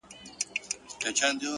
ارام ذهن غوره پرېکړې کوي’